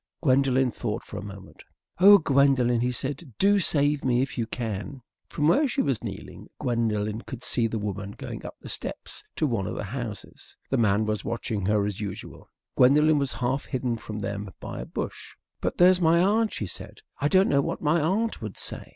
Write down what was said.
Gwendolen thought for a moment. "Oh, Gwendolen," he said, "do save me if you can!" From where she was kneeling Gwendolen could see the woman going up the steps to one of the houses. The man was watching her as usual. Gwendolen was half hidden from them by a bush. "But there's my aunt," she said. "I don't know what my aunt would say."